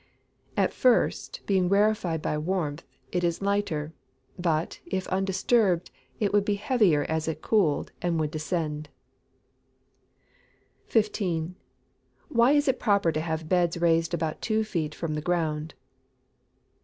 _ At first, being rarefied by warmth, it is lighter. But, if undisturbed, it would become heavier as it cooled, and would descend. 15. _Why is it proper to have beds raised about two feet from the ground?